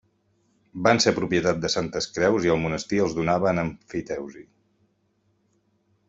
Van ser propietat de Santes Creus i el monestir els donava en emfiteusi.